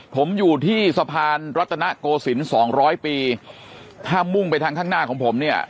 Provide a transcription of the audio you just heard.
ผมอยู่ที่สะพานรัตนโกศิลป์สองร้อยปีถ้ามุ่งไปทางข้างหน้าของผมเนี่ย